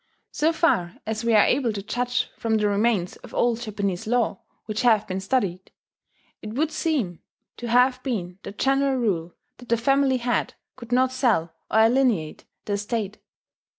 So far as we are able to judge from the remains of old Japanese law which have been studied, it would seem to have been the general rule that the family head could not sell or alienate the estate.